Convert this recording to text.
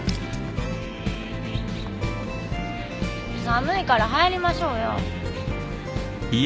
寒いから入りましょうよ。